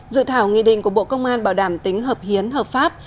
dự thảo nghị định của bộ công an bảo đảm tính hợp hiến hợp pháp